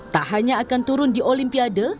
tak hanya akan turun di olimpiade